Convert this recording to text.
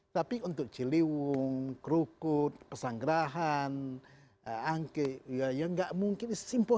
tapi untuk ciliwung kerukut pesanggerahan angke ya tidak mungkin